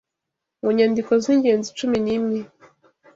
Mu nyandiko z’ingenzi cumi n’imwe